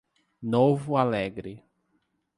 Novo Alegre